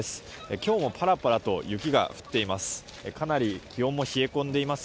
今日もパラパラと雪が降っています。